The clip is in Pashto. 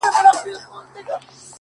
شكر دى چي مينه يې په زړه كـي ده ـ